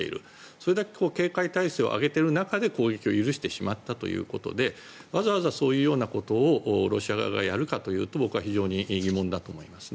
それだけ警戒態勢を上げている中で攻撃を許してしまったということでわざわざそういうことをロシア側がやるかというと僕は非常に疑問だと思いますね。